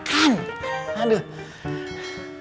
iya pengen makan